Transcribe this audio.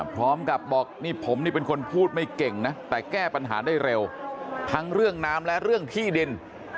พร้อมกับบอกนี่ผมนี่เป็นคนพูดไม่เก่งนะแต่แก้ปัญหาได้เร็วทั้งเรื่องน้ำและเรื่องที่ดิน